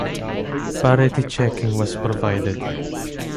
Parity checking was provided.